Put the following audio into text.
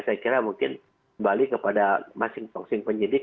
saya kira mungkin kembali kepada masing masing penyidik